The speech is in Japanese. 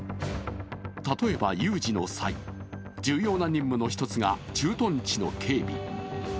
例えば有事の際、重要な任務の一つが駐屯地の警備。